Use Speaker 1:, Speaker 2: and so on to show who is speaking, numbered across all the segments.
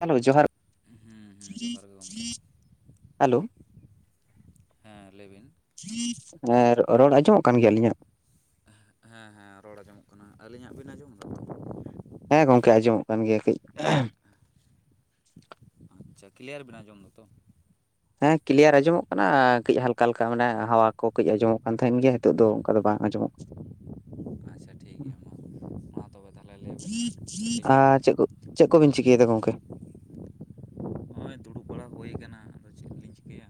Speaker 1: Hello ᱡᱚᱦᱟᱨ
Speaker 2: ᱦᱩᱸ ᱦᱩᱸ ᱡᱚᱦᱟᱨ ᱜᱮ ᱜᱚᱢᱠᱮ
Speaker 1: ᱦᱮᱞᱳ
Speaker 2: ᱦᱮᱸ ᱞᱟᱹᱭ ᱵᱤᱱ
Speaker 1: ᱦᱮᱸ ᱨᱚᱲ ᱟᱸᱡᱚᱢᱚᱜ ᱠᱟᱱ ᱜᱮᱭᱟ ᱟᱞᱤᱧᱟᱜ
Speaker 2: ᱦᱮᱸ ᱦᱮᱸ ᱨᱚᱲ ᱟᱸᱡᱚᱢᱚᱜ ᱠᱟᱱᱟ ᱟᱹᱞᱤᱧᱟᱜ ᱵᱤᱱ ᱟᱸᱡᱚᱢ ᱮᱫᱟ
Speaker 1: ᱦᱮᱸ ᱜᱚᱢᱠᱮ ᱟᱸᱡᱚᱢᱚᱜ ᱠᱟᱱ ᱜᱮᱭᱟ ᱠᱟᱹᱡ
Speaker 2: ᱟᱪᱪᱷᱟ ᱠᱞᱤᱭᱟᱨ ᱵᱮᱱ ᱟᱸᱡᱚᱢ ᱫᱟ ᱛᱚ
Speaker 1: ᱦᱮᱸ ᱠᱞᱤᱭᱟᱨ ᱟᱸᱡᱚᱢᱚᱜ ᱠᱟᱱᱟ ᱠᱟᱹᱡ ᱦᱟᱞᱠᱟ ᱦᱟᱞᱠᱟ ᱢᱟᱱᱮ ᱦᱟᱣᱟ ᱠᱚ ᱠᱟᱹᱡ ᱟᱸᱡᱚᱢᱚᱜ ᱠᱟᱱ ᱛᱟᱦᱮᱱ ᱜᱮᱭᱟ ᱱᱤᱛᱚᱜ ᱫᱚ ᱚᱱᱠᱟ ᱫᱚ ᱵᱟᱝ ᱟᱸᱡᱚᱢᱚᱜ
Speaker 2: ᱟᱪᱪᱷᱟ ᱴᱷᱤᱠ ᱜᱮᱭᱟ ᱢᱟ ᱢᱟ ᱛᱚᱵᱮ ᱛᱟᱦᱚᱞᱮ ᱞᱟᱹᱭ ᱵᱤᱱ ᱠᱟᱹᱴᱤᱡ
Speaker 1: ᱠᱟᱱᱟ ᱟᱨ ᱪᱮᱜ ᱪᱮᱜ ᱠᱚᱵᱤᱱ ᱪᱤᱠᱟᱹᱭᱫᱟ ᱜᱚᱝᱠᱮ
Speaker 2: ᱱᱚᱜᱼᱭ ᱫᱩᱲᱩᱵ ᱵᱟᱲᱟ ᱦᱩᱭ ᱠᱟᱱᱟ ᱟᱫᱚ ᱪᱮᱫᱞᱤᱧ ᱪᱤᱠᱟᱹᱭᱟ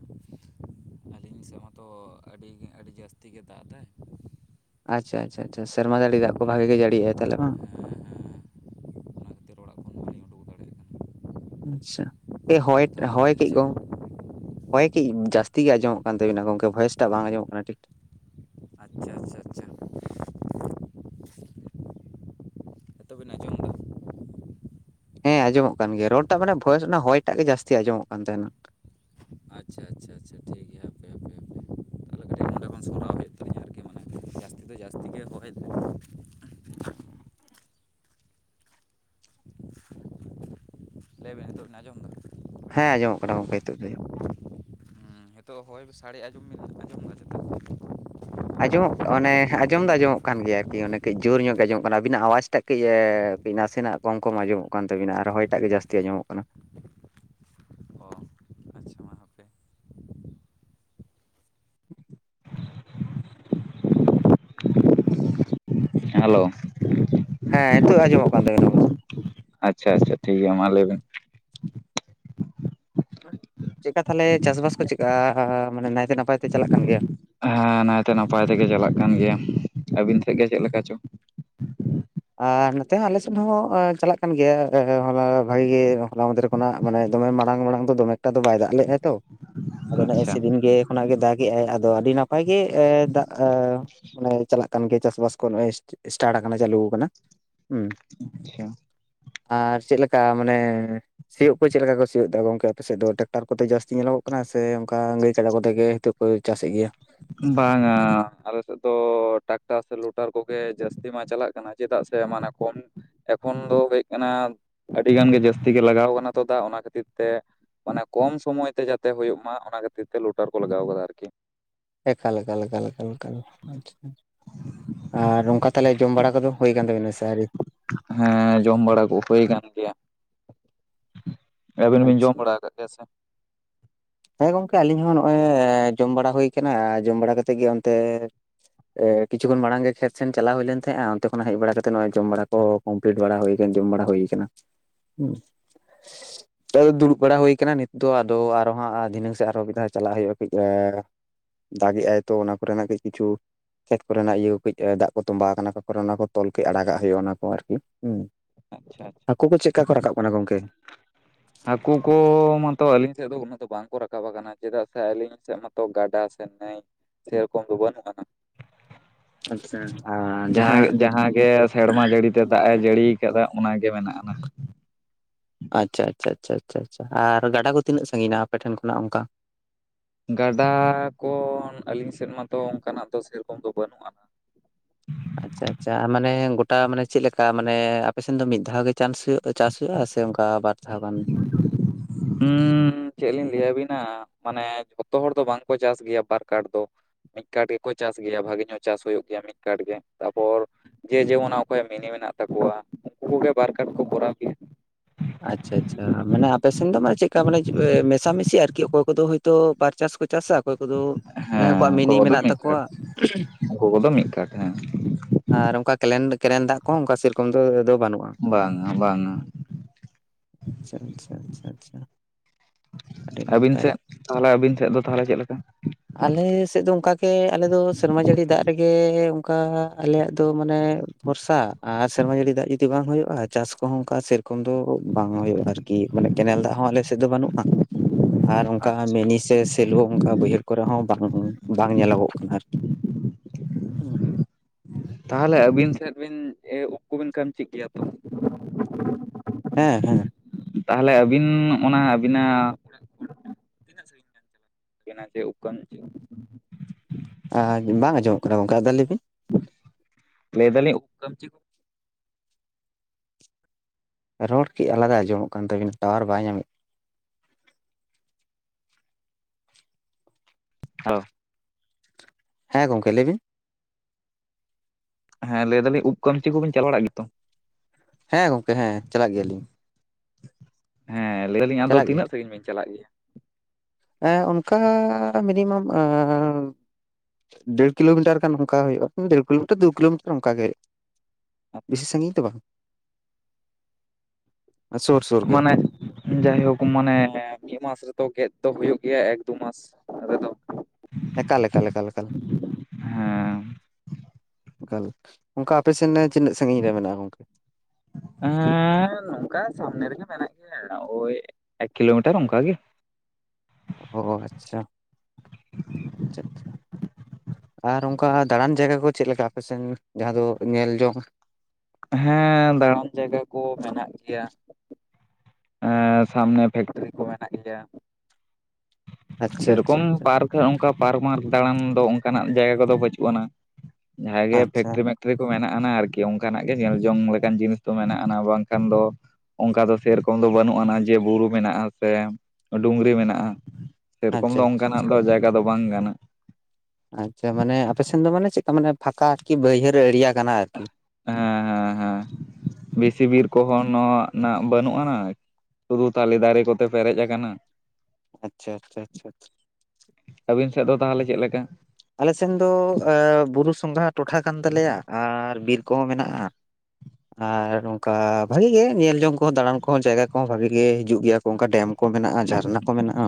Speaker 2: ᱟᱹᱞᱤᱧ ᱥᱮᱫ ᱦᱚᱸᱛᱚ ᱟᱹᱰᱤ ᱟᱹᱰᱤ ᱡᱟᱹᱥᱛᱤ ᱜᱮ ᱫᱟᱜ ᱮᱫᱟ
Speaker 1: ᱟᱪᱼᱪᱷᱟ ᱟᱪᱷᱟ ᱟᱪᱷᱟ ᱥᱮᱨᱢᱟ ᱡᱟᱹᱲᱤ ᱫᱟᱜ ᱠᱚ ᱵᱷᱟᱜᱮ ᱡᱟᱹᱲᱤᱭᱮᱜᱼᱟᱭ ᱛᱟᱦᱞᱮ ᱵᱟᱝ
Speaker 2: ᱦᱮᱸ ᱦᱮᱸ ᱚᱱᱟ ᱠᱷᱟᱹᱛᱤᱨ ᱚᱲᱟᱜ ᱠᱷᱚᱱ ᱵᱟᱹᱞᱤᱧ ᱩᱰᱩᱠ ᱫᱟᱲᱮᱭᱟᱜ ᱠᱟᱱᱟ
Speaker 1: ᱟᱪᱷᱟ ᱦᱚᱭᱴ
Speaker 2: ᱛᱟᱦᱚᱞᱮ
Speaker 1: ᱦᱚᱭ
Speaker 2: ᱟᱹᱵᱤᱱ ᱫᱚ
Speaker 1: ᱠᱮᱫ
Speaker 2: ᱪᱮᱫ
Speaker 1: ᱫᱚᱢ ᱦᱚᱭ ᱠᱟᱹᱡ ᱡᱟᱥᱛᱤ ᱜᱮ ᱟᱸᱡᱚᱢᱚᱜ ᱠᱟᱱ ᱛᱟᱵᱤᱱᱟ ᱜᱚᱢᱠᱮ ᱵᱷᱚᱭᱮᱥᱴᱟ ᱵᱟᱝ ᱟᱸᱡᱚᱜ ᱠᱟᱱᱟ ᱴᱷᱤᱠ
Speaker 2: ᱟᱪᱪᱷᱟ ᱟᱪᱷᱟ ᱟᱪᱷᱟ ᱱᱤᱛᱚᱜ ᱵᱤᱱ ᱟᱸᱡᱚᱢ ᱮᱫᱟ
Speaker 1: ᱦᱮᱸ ᱟᱸᱡᱚᱢᱚᱜ ᱠᱟᱱ ᱜᱮᱭᱟ ᱨᱚᱲᱴᱟᱜ ᱢᱟᱱᱮ ᱵᱷᱚᱭᱮᱥ ᱚᱱᱟ ᱦᱚᱭ ᱴᱟᱜ ᱜᱮ ᱡᱟᱹᱥᱛᱤ ᱟᱸᱡᱚᱢᱚᱜ ᱠᱟᱱ ᱛᱟᱦᱮᱱᱟ
Speaker 2: ᱟᱪᱪᱷᱟ ᱟᱪᱪᱷᱟ ᱟᱪᱪᱷᱟ ᱴᱷᱤᱠ ᱜᱮᱭᱟ ᱟᱯᱮ ᱟᱯᱮ ᱟᱪᱪᱷᱟ ᱟᱪᱷᱟ ᱟᱪᱷᱟ ᱴᱷᱤᱠ ᱜᱮᱭᱟ ᱦᱟᱯᱮ ᱦᱟᱯᱮ ᱛᱟᱦᱚᱞᱮ ᱠᱟᱹᱴᱤᱡ ᱱᱚᱸᱰᱮ ᱠᱷᱚᱱ ᱥᱚᱨᱟᱣ ᱦᱩᱭᱩᱜ ᱛᱟᱹᱞᱤᱧᱟ ᱟᱨᱠᱤ ᱢᱟᱱᱮ ᱡᱟᱹᱥᱛᱤ ᱫᱚ ᱡᱟᱹᱥᱛᱤ ᱜᱮ ᱦᱚᱭᱫᱟᱭ
Speaker 1: ᱚ
Speaker 2: ᱞᱟᱹᱭᱵᱤᱱ ᱱᱤᱛᱚᱜᱵᱤᱱ ᱟᱸᱡᱚᱢ ᱫᱟ
Speaker 1: ᱦᱮᱸ ᱟᱸᱡᱚᱢᱚᱜ ᱠᱟᱱᱟ ᱜᱚᱝᱠᱮ ᱱᱤᱛᱚᱜ ᱫᱚ
Speaker 2: ᱦᱩᱸ ᱱᱤᱛᱚᱜ ᱦᱚᱭ ᱥᱟᱲᱮ ᱟᱸᱡᱚᱢ ᱟᱸᱡᱚᱢ ᱫᱟᱯᱮ ᱛᱚ
Speaker 1: ᱟᱸᱡᱚᱢᱚᱜ ᱢᱟᱱᱮ ᱟᱸᱡᱚᱢ ᱫᱚ ᱟᱸᱡᱚᱢᱚᱜ ᱠᱟᱱ ᱜᱮᱭᱟ ᱟᱨᱠᱤ ᱚᱱᱮ ᱠᱟᱹᱡ ᱡᱳᱨ ᱧᱚᱜ ᱟᱸᱡᱚᱢᱚᱜ ᱠᱟᱱᱟ ᱟᱹᱵᱤᱱᱟᱜ ᱟᱣᱟᱡᱽ ᱴᱟᱜ ᱠᱟᱹᱡ ᱮ ᱦᱳᱭ ᱱᱟᱥᱮᱱᱟᱜ ᱠᱚᱢ ᱠᱚᱢ ᱟᱸᱡᱚᱢᱚᱜ ᱠᱟᱱ ᱛᱟᱹᱵᱤᱱᱟ ᱟᱨ ᱦᱚᱭᱴᱟᱜ ᱜᱮ ᱡᱟᱹᱥᱛᱤ ᱟᱸᱡᱚᱢᱚᱜ ᱠᱟᱱᱟ
Speaker 2: ᱚ ᱟᱪᱪᱷᱟ ᱢᱟ ᱦᱟᱯᱮ ᱦᱮᱞᱳ
Speaker 1: ᱦᱮᱸ ᱱᱤᱛᱳᱜ ᱟᱸᱡᱚᱢᱚᱜ ᱠᱟᱱ ᱛᱟᱵᱤᱱᱟ ᱚᱵᱳᱭᱥᱳ
Speaker 2: ᱟᱪᱪᱷᱟ ᱟᱪᱷᱟ ᱴᱷᱤᱠ ᱜᱮᱭᱟ ᱢᱟ ᱞᱟᱹᱭᱵᱤᱱ
Speaker 1: ᱪᱮᱫᱞᱮᱠᱟ ᱛᱟᱦᱚᱞᱮ ᱪᱟᱥᱵᱟᱥ ᱠᱚ ᱪᱮᱫᱠᱟ ᱢᱟᱱᱮ ᱱᱟᱭᱛᱮ ᱱᱟᱯᱟᱭ ᱛᱮ ᱪᱟᱞᱟᱜ ᱠᱟᱱ ᱜᱮᱭᱟ
Speaker 2: ᱦᱮ ᱱᱟᱭᱛᱮ ᱱᱟᱯᱟᱭ ᱛᱮᱜᱮ ᱪᱟᱞᱟᱜ ᱠᱟᱱ ᱜᱮᱭᱟ ᱟᱹᱵᱤᱱ ᱴᱷᱮᱱ ᱜᱮ ᱪᱮᱫ ᱞᱮᱠᱟ ᱪᱚ
Speaker 1: ᱟᱨ ᱱᱚᱛᱮ ᱦᱚᱸ ᱟᱞᱮ ᱥᱮᱫ ᱦᱚᱸ ᱪᱟᱞᱟᱜ ᱠᱟᱱ ᱜᱮᱭᱟ ᱦᱚᱞᱟ ᱵᱷᱟᱜᱤ ᱜᱮ ᱦᱚᱞᱟ ᱢᱟᱫᱷᱮᱨ ᱠᱷᱚᱱᱟᱜ ᱢᱟᱱᱮ ᱫᱚᱢᱮ ᱢᱟᱲᱟᱝ ᱢᱟᱲᱟᱝ ᱫᱚᱢᱮ ᱮᱠᱴᱟ ᱫᱚ ᱵᱟᱭ ᱫᱟᱜ ᱞᱮᱫᱼᱟᱭ ᱛᱚ ᱟᱫᱚ ᱱᱚᱜᱼᱚᱭ
Speaker 2: ᱟᱪᱪᱷᱟ
Speaker 1: ᱥᱮᱫᱤᱱ ᱜᱮ ᱠᱷᱚᱱᱟᱜ ᱜᱮ ᱫᱟᱜ ᱮᱜᱼᱟᱭ ᱟᱫᱚ ᱟᱹᱰᱤ ᱱᱟᱯᱟᱭ ᱜᱮ ᱫᱟᱜ ᱢᱟᱱᱮ ᱪᱟᱞᱟᱜ ᱠᱟᱱ ᱜᱮ ᱪᱟᱥᱼᱵᱟᱥ ᱠᱚ ᱱᱚᱜᱼᱚᱭ ᱮᱴᱟᱨᱴ ᱠᱟᱱᱟ ᱪᱟᱹᱞᱩ ᱠᱟᱱᱟ ᱦᱩᱸ
Speaker 2: ᱟᱪᱪᱷᱟ
Speaker 1: ᱟᱨ ᱪᱮᱫ ᱞᱮᱠᱟ ᱢᱟᱱᱮ ᱥᱤᱭᱳᱜ ᱠᱚ ᱪᱮᱫ ᱞᱮᱠᱟ ᱠᱚ ᱥᱤᱭᱳᱜ ᱫᱟ ᱜᱚᱝᱠᱮ ᱟᱯᱮ ᱥᱮᱫ ᱫᱚ ᱴᱟᱠᱴᱟᱨ ᱠᱚᱛᱮ ᱡᱟᱹᱥᱛᱤ ᱧᱮᱞᱚᱜᱚᱜ ᱠᱟᱱᱟ ᱥᱮ ᱚᱱᱠᱟ ᱜᱟᱹᱭ ᱠᱟᱰᱟ ᱠᱚᱛᱮ ᱜᱮ ᱱᱤᱛᱚᱜ ᱦᱳᱭ ᱪᱟᱥᱮᱜ ᱜᱮᱭᱟ
Speaker 2: ᱵᱟᱝ ᱟ ᱟᱞᱮ ᱥᱮᱫ ᱫᱚ ᱴᱟᱠᱴᱟᱨ ᱥᱮ ᱞᱳᱴᱟᱨ ᱠᱚᱜᱮ ᱡᱟᱹᱥᱛᱤ ᱢᱟ ᱪᱟᱞᱟᱜ ᱠᱟᱱᱟ ᱪᱮᱫᱟᱜ ᱥᱮ ᱢᱟᱱᱮ ᱠᱚᱢ ᱮᱠᱷᱚᱱ ᱫᱚ ᱦᱩᱭᱩᱜ ᱠᱟᱱᱟ ᱟᱹᱰᱤ ᱜᱟᱱ ᱜᱮ ᱡᱟᱹᱥᱛᱤ ᱜᱮ ᱞᱟᱜᱟᱣ ᱠᱟᱱᱟ ᱛᱚ ᱫᱟᱜ ᱚᱱᱟ ᱠᱷᱟᱹᱛᱤᱨ ᱛᱮ ᱢᱟᱱᱮ ᱠᱚᱢ ᱥᱚᱢᱚᱭ ᱛᱮ ᱡᱟᱛᱮ ᱦᱳᱭᱳᱜ ᱢᱟ ᱚᱱᱟ ᱠᱷᱟᱹᱛᱤᱨ ᱛᱮ ᱞᱳᱴᱟᱨ ᱠᱚ ᱞᱟᱜᱟᱣ ᱠᱟᱫᱟ ᱟᱨᱠᱤ
Speaker 1: ᱮᱠᱟᱞ ᱮᱠᱟᱞ ᱮᱠᱟᱞ ᱮᱠᱟᱞ ᱮᱠᱟᱞ ᱟᱪᱪᱷᱟ ᱟᱨ ᱚᱱᱠᱟ ᱛᱟᱦᱚᱞᱮ ᱡᱚᱢ ᱵᱟᱲᱟ ᱠᱚᱫᱚ ᱦᱩᱭ ᱠᱟᱱ ᱛᱟᱵᱤᱱᱟ ᱥᱮ ᱟᱹᱣᱨᱤ
Speaker 2: ᱦᱮᱸ ᱡᱚᱢ ᱵᱟᱲᱟ ᱠᱚ ᱦᱩᱭ ᱠᱟᱱ ᱜᱮᱭᱟ ᱟᱹᱵᱤᱱ ᱵᱤᱱ
Speaker 1: ᱟᱪᱪᱷᱟ
Speaker 2: ᱡᱚᱢ ᱵᱟᱲᱟ ᱠᱟᱜ ᱜᱮ ᱥᱮ
Speaker 1: ᱦᱮᱸ ᱜᱚᱝᱠᱮ ᱟᱹᱞᱤᱧ ᱦᱚᱸ ᱱᱚᱜᱼᱚᱭ ᱡᱚᱢ ᱵᱟᱲᱟ ᱦᱩᱭ ᱠᱟᱱᱟ ᱡᱚᱢ ᱵᱟᱲᱟ ᱠᱟᱛᱮ ᱜᱮ ᱚᱱᱛᱮ ᱮ ᱠᱤᱪᱷᱩ ᱠᱷᱚᱱ ᱢᱟᱲᱟᱝ ᱜᱮ ᱠᱷᱮᱛ ᱥᱮᱱ ᱪᱟᱞᱟᱣ ᱦᱩᱭ ᱞᱮᱱ ᱛᱟᱦᱮᱸᱜᱼᱟ ᱚᱱᱛᱮ ᱠᱷᱚᱱ ᱦᱮᱡ ᱵᱟᱲᱟ ᱠᱟᱛᱮᱜ ᱱᱚᱜᱼᱚᱭ ᱡᱚᱢ ᱵᱟᱲᱟ ᱠᱚ ᱠᱚᱢᱯᱞᱤᱴ ᱵᱟᱲᱟ ᱦᱩᱭ ᱠᱟᱱᱟ ᱡᱚᱢ ᱵᱟᱲᱟ ᱦᱩᱭ ᱠᱟᱱᱟ ᱦᱩᱸ ᱫᱩᱲᱩᱵ ᱵᱟᱲᱟ ᱦᱩᱭ ᱠᱟᱱᱟ ᱱᱤᱛ ᱫᱚ ᱟᱫᱚ ᱟᱨᱚ ᱦᱟᱸᱜ ᱫᱷᱤᱱᱟᱹᱝ ᱥᱮᱫ ᱟᱨᱦᱚᱸ ᱢᱤᱫ ᱫᱷᱟᱣ ᱪᱟᱞᱟᱜ ᱦᱩᱭᱩᱜᱼᱟ ᱠᱟᱹᱡ ᱫᱟᱜᱮ ᱟᱭ ᱛᱚ ᱚᱱᱟ ᱠᱚᱨᱮᱱᱟᱜ ᱠᱟᱹᱡ ᱠᱤᱪᱷᱩ ᱠᱷᱮᱛ ᱠᱚᱨᱮᱱᱟᱜ ᱤᱭᱟᱹ ᱠᱟᱹᱡ ᱫᱟᱜ ᱠᱚ ᱛᱚᱸᱵᱟ ᱠᱟᱱᱟ ᱚᱠᱟ ᱠᱚᱨᱮ ᱚᱱᱟ ᱠᱚ ᱛᱚᱞ ᱠᱟᱹᱡ ᱟᱲᱟᱜᱟᱜ ᱦᱩᱭᱩᱜᱼᱟ ᱚᱱᱟ ᱠᱚ ᱟᱨᱠᱤ ᱦᱩᱸ
Speaker 2: ᱟᱪᱪᱷᱟ ᱟᱪᱪᱷᱟ
Speaker 1: ᱦᱟᱹᱠᱩ ᱠᱚ ᱪᱮᱫᱠᱟ ᱠᱚ ᱨᱟᱠᱟᱵ ᱠᱟᱱᱟ ᱜᱚᱝᱠᱮ
Speaker 2: ᱦᱟᱹᱠᱩ ᱠᱚ ᱢᱟᱛᱚ ᱟᱹᱞᱤᱧ ᱥᱮᱫ ᱫᱚ ᱩᱱᱟᱹᱜ ᱫᱚ ᱵᱟᱝ ᱠᱚ ᱨᱟᱠᱟᱵ ᱠᱟᱱᱟ ᱪᱮᱫᱟᱜ ᱥᱮ ᱟᱹᱞᱤᱧ ᱥᱮᱫ ᱢᱟᱛᱚ ᱜᱟᱰᱟ ᱥᱮ ᱱᱟᱹᱭ ᱥᱮ ᱨᱚᱠᱚᱢ ᱫᱚ ᱵᱟᱹᱱᱩᱜ ᱟᱱᱟ
Speaker 1: ᱟᱪᱪᱷᱟ
Speaker 2: ᱡᱟᱦᱟᱸ ᱜᱮ ᱡᱟᱦᱟᱸ ᱜᱮ ᱥᱮᱨᱢᱟ ᱡᱟᱹᱲᱤ ᱛᱮ ᱫᱟᱜ ᱮ ᱡᱟᱹᱲᱤ ᱠᱟᱫᱟ ᱚᱱᱟ ᱜᱮ ᱢᱮᱱᱟᱜ ᱟᱱᱟ
Speaker 1: ᱟᱪᱪᱷᱟ ᱟᱪᱪᱷᱟ ᱟᱪᱪᱷᱟ ᱟᱪᱪᱷᱟ ᱟᱪᱪᱷᱟ ᱟᱨ ᱜᱟᱰᱟ ᱠᱚ ᱛᱤᱱᱟᱜ ᱥᱟᱺᱜᱤᱧ ᱟ ᱟᱯᱮ ᱴᱷᱮᱱ ᱠᱷᱚᱱᱟᱜ ᱚᱱᱠᱟ
Speaker 2: ᱜᱟᱰᱟ ᱠᱚ ᱟᱹᱞᱤᱧ ᱥᱮᱫ ᱢᱟᱛᱚ ᱚᱱᱠᱟᱱᱟᱜ ᱫᱚ ᱥᱮ ᱨᱚᱠᱚᱢ ᱫᱚ ᱵᱟᱹᱱᱩᱜ ᱟᱱᱟ
Speaker 1: ᱟᱪᱪᱷᱟ ᱟᱪᱪᱷᱟ ᱢᱟᱱᱮ ᱜᱚᱴᱟ ᱢᱟᱱᱮ ᱪᱮᱫ ᱞᱮᱠᱟ ᱢᱟᱱᱮ ᱟᱯᱮ ᱥᱮᱱ ᱫᱚ ᱢᱤᱫ ᱫᱷᱟᱣ ᱜᱮ ᱪᱟᱱᱥ ᱦᱩᱭᱩᱜ ᱪᱟᱥ ᱦᱩᱭᱩᱜᱼᱟ ᱥᱮ ᱚᱱᱠᱟ ᱵᱟᱨ ᱫᱷᱟᱣ ᱜᱟᱱ
Speaker 2: ᱦᱩᱸ ᱪᱮᱫ ᱞᱤᱧ ᱞᱟᱹᱭᱟ ᱵᱤᱱᱟ ᱢᱟᱱᱮ ᱡᱷᱚᱛᱚ ᱦᱚᱲ ᱫᱚ ᱵᱟᱝ ᱠᱚ ᱪᱟᱥ ᱜᱮᱭᱟ ᱵᱟᱨ ᱠᱟᱴ ᱫᱚ ᱢᱤᱫ ᱠᱟᱴ ᱜᱮᱠᱚ ᱪᱟᱥ ᱜᱮᱭᱟ ᱵᱷᱟᱜᱤ ᱧᱚᱜ ᱪᱟᱥ ᱦᱩᱭᱩᱜ ᱜᱮᱭᱟ ᱢᱤᱫ ᱠᱟᱴ ᱜᱮ ᱛᱟᱨᱯᱚᱨ ᱡᱮ ᱡᱮᱢᱚᱱ ᱚᱠᱚᱭᱟᱜ ᱢᱤᱱᱤ ᱢᱮᱱᱟᱜ ᱛᱟᱠᱚᱣᱟ ᱩᱱᱠᱩ ᱠᱚᱜᱮ ᱵᱟᱨ ᱠᱟᱴ ᱠᱚ ᱠᱚᱨᱟᱣ ᱜᱮᱭᱟ
Speaker 1: ᱟᱪᱪᱷᱟ ᱟᱪᱪᱷᱟ ᱢᱟᱱᱮ ᱟᱯᱮ ᱥᱮᱱ ᱫᱚ ᱢᱟᱱᱮ ᱪᱮᱫᱠᱟ ᱢᱟᱱᱮ ᱢᱮᱥᱟᱢᱤᱥᱤ ᱟᱨᱠᱤ ᱚᱠᱚᱭ ᱠᱚᱫᱚ ᱦᱚᱭᱛᱚ ᱵᱟᱨ ᱪᱟᱥ ᱠᱚ ᱪᱟᱥᱟ ᱚᱠᱚᱭ ᱠᱚᱫᱚ ᱡᱟᱦᱟᱸᱭ ᱠᱚᱣᱟᱜ
Speaker 2: ᱦᱮᱸ
Speaker 1: ᱢᱤᱱᱤ
Speaker 2: ᱜᱚᱜᱚ ᱫᱚ
Speaker 1: ᱢᱮᱱᱟᱜ
Speaker 2: ᱢᱤᱫ ᱠᱟᱴ
Speaker 1: ᱛᱟᱠᱚᱣᱟ [inaudible]
Speaker 2: ᱜᱚᱜᱚ ᱫᱚ ᱢᱤᱫ ᱠᱟᱴ ᱦᱮᱸ
Speaker 1: ᱟᱨ ᱚᱱᱠᱟ ᱠᱞᱮᱱ ᱠᱞᱮᱱ ᱫᱟᱜ ᱠᱚᱦᱚᱸ ᱚᱱᱠᱟ ᱥᱮ ᱨᱚᱠᱚᱢ ᱫᱚ ᱵᱟᱹᱱᱩᱜᱼᱟ
Speaker 2: ᱵᱟᱝ ᱟ ᱵᱟᱝ ᱟ
Speaker 1: ᱟᱪᱪᱷᱟ ᱟᱪᱪᱷᱟ ᱟᱪᱪᱷᱟ ᱟᱪᱪᱷᱟ ᱟᱹᱰᱤ
Speaker 2: ᱟᱹᱵᱤᱱ
Speaker 1: ᱱᱟᱯᱟᱭ
Speaker 2: ᱥᱮᱫ ᱛᱟᱦᱚᱞᱮ ᱟᱹᱵᱤᱱ ᱥᱮᱫ ᱫᱚ ᱛᱟᱦᱚᱞᱮ ᱪᱮᱫ ᱞᱮᱠᱟ
Speaker 1: ᱟᱞᱮ ᱥᱮᱫ ᱫᱚ ᱚᱱᱠᱟ ᱜᱮ ᱟᱞᱮ ᱫᱚ ᱥᱮᱨᱢᱟ ᱡᱟᱹᱲᱤ ᱫᱟᱜ ᱨᱮᱜᱮ ᱚᱱᱠᱟ ᱟᱞᱮᱭᱟᱜ ᱫᱚ ᱢᱟᱱᱮ ᱵᱷᱚᱨᱥᱟ ᱟᱨ ᱥᱮᱨᱢᱟ ᱡᱟᱹᱲᱤ ᱫᱟᱜ ᱡᱩᱫᱤ ᱵᱟᱝ ᱦᱩᱭᱩᱜᱼᱟ ᱪᱟᱥ ᱠᱚᱦᱚᱸ ᱚᱱᱠᱟ ᱥᱮᱨᱚᱠᱚᱢ ᱫᱚ ᱵᱟᱝ ᱦᱩᱭᱩᱜᱼᱟ ᱟᱨᱠᱤ ᱢᱟᱱᱮ ᱠᱮᱱᱮᱞ ᱫᱟᱜ ᱦᱚᱸ ᱟᱞᱮ ᱥᱮᱫ ᱫᱚ ᱵᱟᱹᱱᱩᱜᱼᱟ ᱟᱨ ᱚᱱᱠᱟ
Speaker 2: ᱟᱪᱪᱷᱟ
Speaker 1: ᱢᱤᱱᱤ ᱥᱮ ᱥᱮᱞᱳ ᱚᱱᱠᱟ ᱵᱟᱹᱭᱦᱟᱹᱲ ᱠᱚᱨᱮ ᱦᱚᱸ ᱵᱟᱝ ᱵᱟᱝ ᱧᱮᱞᱚᱜᱚᱜ ᱠᱟᱱᱟ ᱟᱨᱠᱤ
Speaker 2: ᱛᱟᱦᱚᱞᱮ ᱟᱹᱵᱤᱱ ᱥᱮᱫ ᱵᱤᱱ ᱩᱜ ᱠᱚᱵᱤᱱ ᱠᱟᱢᱪᱤᱜ ᱜᱮᱭᱟ ᱛᱚ
Speaker 1: ᱦᱮᱸ ᱦᱮᱸ
Speaker 2: ᱛᱟᱦᱚᱞᱮ ᱟᱹᱵᱤᱱ ᱚᱱᱟ ᱟᱹᱵᱤᱱᱟᱜ ᱛᱤᱱᱟᱹᱜ ᱥᱟᱺᱜᱤᱧ ᱜᱟᱱ [inaudible]
Speaker 1: ᱟ ᱵᱟᱝ ᱟᱸᱡᱚᱢᱚᱜ ᱠᱟᱱᱟ ᱜᱚᱝᱠᱮ ᱟᱫᱚ ᱞᱮᱵᱤᱱ
Speaker 2: ᱞᱟᱹᱭ ᱫᱟᱞᱤᱧ ᱩᱵ ᱠᱟᱢᱪᱤ
Speaker 1: ᱨᱚᱲ ᱠᱤ ᱟᱞᱟᱫᱟ ᱟᱡᱚᱢᱚᱜ ᱠᱟᱱ ᱛᱟᱹᱵᱤᱱᱟ ᱴᱟᱣᱟᱨ ᱵᱟᱭ ᱧᱟᱢᱮᱫ
Speaker 2: ᱦᱚ
Speaker 1: ᱦᱮᱸ ᱜᱚᱢᱷᱝᱠ ᱞᱟᱹᱭᱵᱤᱱ
Speaker 2: ᱦᱮᱸ ᱞᱟᱹᱭ ᱫᱟᱞᱤᱧ ᱩᱵ ᱠᱟᱹᱢᱪᱤ ᱠᱚᱵᱤᱱ ᱪᱟᱞᱣᱲᱟᱜ ᱜᱮᱛᱚ
Speaker 1: ᱦᱮᱸ ᱜᱚᱝᱠᱮ ᱦᱮᱸ ᱪᱟᱞᱟᱜ ᱜᱮᱭᱟᱞᱤᱧ᱾
Speaker 2: ᱦᱮᱸ ᱞᱟᱹᱭ ᱫᱟᱤᱧ ᱟᱫᱚ
Speaker 1: ᱪᱟᱞᱟᱜ
Speaker 2: ᱛᱤᱱᱟᱹᱜ ᱥᱟᱺᱜᱤᱧ ᱵᱤᱱ ᱪᱟᱞᱟᱜ ᱜᱮᱭᱟ
Speaker 1: ᱦᱮᱸ ᱚᱱᱠᱟ ᱢᱤᱱᱤᱢᱟᱢ ᱰᱮᱲ ᱠᱤᱞᱳᱢᱤᱴᱟᱨ ᱜᱟᱱ ᱚᱱᱠᱟ ᱦᱩᱭᱩᱜ-ᱟ ᱰᱮᱲ ᱠᱤᱞᱳᱢᱤᱴᱟᱨ ᱫᱩ ᱠᱤᱞᱳᱢᱤᱴᱟᱨ ᱚᱱᱠᱟ ᱜᱮ ᱵᱮᱷᱤᱥᱤ ᱥᱟᱺᱜᱤᱧ ᱫᱚ ᱵᱟᱝ ᱥᱩᱨ ᱥᱩᱨ ᱜᱮ
Speaker 2: [unintelligible] ᱡᱟᱭᱦᱳᱠ ᱢᱟᱱᱮ ᱢᱤᱫ ᱢᱟᱥ ᱨᱮᱫᱚ ᱜᱮᱫ ᱫᱚ ᱦᱩᱭᱩᱜ ᱜᱮᱭᱟ ᱮᱠ ᱫᱩ ᱢᱟᱥ ᱨᱮᱫᱚ
Speaker 1: ᱮᱠᱟᱞ ᱮᱠᱟᱞ ᱮᱠᱟᱞ ᱮᱠᱟᱞ
Speaker 2: ᱦᱮᱸ
Speaker 1: ᱚᱱᱠᱟ ᱟᱯᱮᱥᱮᱱ ᱪᱤᱱᱟᱹᱜ ᱥᱟᱺᱜᱤᱧ ᱨᱮ ᱢᱮᱱᱟᱜ-ᱟ ᱜᱚᱝᱠᱮ
Speaker 2: ᱮᱸᱻ ᱦᱮ ᱱᱚᱝᱠᱟ ᱥᱟᱢᱱᱮ ᱨᱮᱜᱮ ᱢᱮᱱᱟᱜ ᱜᱮᱭᱟ ᱳᱭ ᱮᱠ ᱠᱤᱞᱳᱢᱤᱴᱟᱨ ᱚᱱᱠᱟᱜ ᱜᱤ
Speaker 1: ᱚ ᱟᱪᱪᱷᱟ ᱟᱪᱪᱷᱟ ᱟᱪᱪᱷᱟ ᱟᱨ ᱚᱝᱠᱟ ᱫᱟᱲᱟᱱ ᱡᱟᱭᱜᱟ ᱠᱚ ᱪᱮᱫ ᱞᱮᱠᱟ ᱟᱯᱮᱥᱮᱱ ᱡᱟᱦᱟᱸ ᱫᱚ ᱧᱮᱞ ᱡᱚᱝ
Speaker 2: ᱦᱮᱸᱻ ᱫᱟᱬᱟᱱ ᱡᱟᱭᱜᱟ ᱠᱚ ᱢᱮᱱᱟᱜ ᱜᱮᱭᱟ ᱮ ᱥᱟᱢᱱᱮ ᱯᱷᱮᱠᱴᱨᱤ ᱠᱚ ᱢᱮᱱᱟᱜ ᱜᱮᱭᱟ
Speaker 1: ᱟᱪᱪᱷᱟ ᱟᱪᱪᱷᱟ
Speaker 2: ᱥᱮᱨᱚᱠᱚᱢ
Speaker 1: ᱟᱪᱪᱷᱟ
Speaker 2: ᱯᱟᱨᱠ ᱚᱱᱠᱟ ᱯᱟᱨ ᱢᱟᱨᱠ ᱫᱟᱬᱟᱱ ᱫᱚ ᱚᱱᱠᱟᱱᱟᱜ ᱡᱟᱭᱜᱟ ᱠᱚᱫᱚ ᱵᱟᱹᱪᱩ ᱟᱱᱟ ᱡᱟᱦᱟᱸᱭ ᱜᱮ
Speaker 1: ᱟᱪᱪᱷᱟ
Speaker 2: ᱯᱷᱮᱠᱴᱨᱤ ᱢᱮ ᱼᱴᱨᱤ ᱠᱚ ᱢᱮᱱᱟᱜ ᱟᱱᱟ ᱟᱨᱠᱤ ᱚᱱᱠᱟᱱᱟᱜ ᱜᱮ ᱧᱮᱞ ᱡᱚᱝ ᱞᱮᱠᱟᱱ ᱡᱤᱱᱤᱥ ᱫᱚ ᱢᱮᱱᱟ ᱟᱱᱟ ᱵᱟᱝᱠᱷᱟᱱ ᱫᱚ ᱚᱱᱠᱟ ᱫᱚ ᱥᱮᱨᱚᱠᱚᱢ ᱫᱚ ᱵᱟᱹᱱᱩ ᱟᱱᱟ ᱡᱮ ᱵᱩᱨᱩ ᱢᱮᱱᱟᱜ-ᱟ ᱥᱮ ᱰᱩᱝᱨᱤ ᱢᱮᱱᱟᱜ-ᱟ ᱥᱮᱨᱚᱠᱚᱢ
Speaker 1: ᱟᱪᱪᱷᱟ
Speaker 2: ᱫᱚ ᱚᱱᱠᱟᱱᱟᱜ
Speaker 1: ᱟᱪᱪᱷᱟ
Speaker 2: ᱫᱚ ᱡᱟᱭᱜᱟ ᱫᱚ ᱵᱟᱝ ᱠᱟᱱᱟ᱾
Speaker 1: ᱟᱪᱪᱷᱟ ᱢᱟᱱᱮ ᱟᱯᱮᱥᱱ ᱫᱚ ᱢᱟᱱᱮ ᱪᱮᱫᱠᱟ ᱢᱟᱱᱮ ᱯᱷᱟᱠᱟ ᱟᱨᱠᱤ ᱵᱟᱹᱭᱦᱟᱹᱲ ᱮᱲᱤᱭᱟ ᱠᱟᱱᱟ ᱟᱨᱠᱤ
Speaker 2: ᱦᱮᱸ ᱦᱮᱸ ᱦᱮᱸ ᱵᱮᱥᱤ ᱵᱤᱨ ᱠᱚᱦᱚᱸ ᱱᱚᱣᱟ ᱱᱟᱜ ᱵᱟᱹᱱᱩᱜ ᱟᱱᱟ ᱥᱩᱫᱩ ᱛᱟᱞᱮ ᱫᱟᱨᱮ ᱠᱚᱛᱮ ᱯᱮᱨᱮᱡ ᱟᱠᱟᱱᱟ
Speaker 1: ᱟᱪᱪᱷᱟ ᱟᱪᱪᱷᱟ ᱟᱪᱪᱷᱟ ᱟᱪᱪᱷᱟ
Speaker 2: ᱟᱹᱵᱤᱱ ᱥᱮᱫ ᱫᱚ ᱛᱟᱦᱞᱮ ᱪᱮᱫ ᱞᱮᱠᱟ
Speaker 1: ᱟᱞᱮᱥᱱ ᱫᱚ ᱵᱩᱨᱩ ᱥᱚᱸᱜᱷᱟ ᱴᱚᱴᱷᱟ ᱠᱟᱱ ᱛᱟᱞᱮᱭᱟ ᱟᱨ ᱵᱤᱨ ᱠᱚᱦᱚᱸ ᱢᱮᱱᱟᱜ-ᱟ ᱟᱨ ᱚᱱᱠᱟ ᱵᱷᱟᱜᱤ ᱜᱮ ᱧᱮᱞ ᱡᱚᱝ ᱠᱚᱦᱚᱸ ᱫᱟᱬᱟᱱ ᱠᱚᱦᱚᱸ ᱡᱟᱭᱜᱟ ᱠᱚᱦᱚᱸ ᱵᱷᱟᱜᱤ ᱜᱮ ᱦᱤᱡᱩᱜ ᱜᱮᱭᱟ ᱠᱚ ᱚᱱᱠᱟ ᱰᱮᱢ ᱠᱚ ᱢᱮᱱᱟᱜ-ᱟ ᱡᱷᱟᱨᱱᱟ ᱠᱚ ᱢᱮᱱᱟᱜ-ᱟ